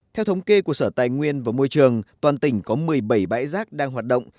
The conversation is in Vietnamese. theo thống kê của sở tài nguyên và môi trường toàn tỉnh có một mươi bảy bãi rác đang hoạt động